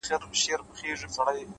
د زاړه دفتر میز د ګڼو ورځو نښې لري